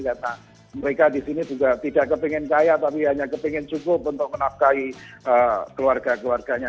karena mereka di sini juga tidak kepingin kaya tapi hanya kepingin cukup untuk menafkai keluarga keluarganya